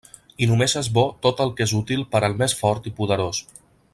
I només és bo tot el que és útil per al més fort i poderós.